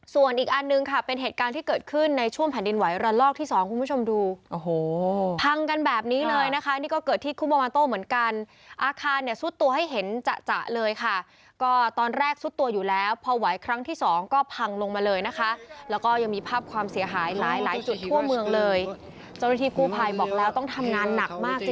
ส่วนอีกอันหนึ่งค่ะเป็นเหตุการณ์ที่เกิดขึ้นในช่วงแผ่นดินไหวระลอกที่สองคุณผู้ชมดูโอ้โหพังกันแบบนี้เลยนะคะนี่ก็เกิดที่คุมามาโต้เหมือนกันอาคารเนี่ยซุดตัวให้เห็นจะจะเลยค่ะก็ตอนแรกซุดตัวอยู่แล้วพอไหวครั้งที่สองก็พังลงมาเลยนะคะแล้วก็ยังมีภาพความเสียหายหลายหลายจุดทั่วเมืองเลยเจ้าหน้าที่กู้ภัยบอกแล้วต้องทำงานหนักมากจริง